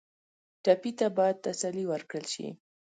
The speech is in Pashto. ټپي ته باید تسلي ورکړل شي.